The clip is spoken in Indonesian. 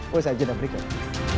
waduh saya jalan berikutnya